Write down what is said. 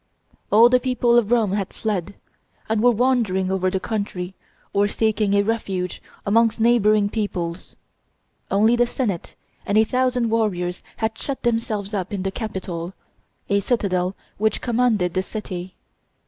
All the people of Rome had fled, and were wandering over the country, or seeking a refuge amongst neighboring peoples. Only the senate and a thousand warriors had shut themselves up in the Capitol, a citadel which commanded the city.